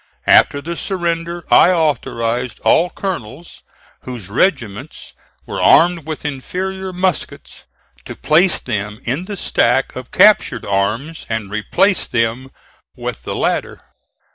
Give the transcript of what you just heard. After the surrender I authorized all colonels whose regiments were armed with inferior muskets, to place them in the stack of captured arms and replace them with the latter.